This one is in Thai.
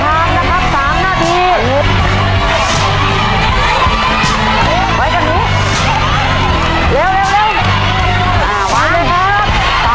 ไว้กันดูเร็วเร็วเร็วอ่าวางครับตามมานะครับ